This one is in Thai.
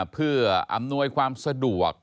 เพื่ออำนวยความสะดวก